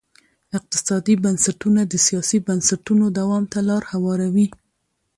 اقتصادي بنسټونه د سیاسي بنسټونو دوام ته لار هواروي.